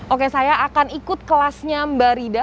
oke saya akan ikut kelasnya mbak rida